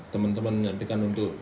teman teman menyantikan untuk